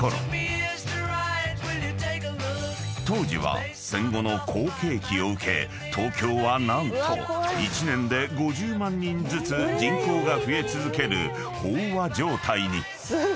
［当時は戦後の好景気を受け東京は何と１年で５０万人ずつ人口が増え続ける飽和状態に］